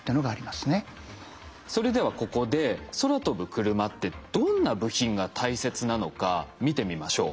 それではここで空飛ぶクルマってどんな部品が大切なのか見てみましょう。